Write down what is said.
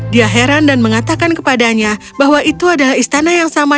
dia heran dan mengatakan kepadanya bahwa itu adalah istana yang sama